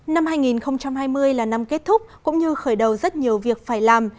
năm hai nghìn hai mươi là năm kết thúc cũng như khởi đầu rất nhiều việc phải làm